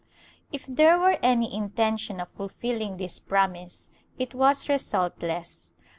^ If there were any intention of fulfilling this promise it was resultless.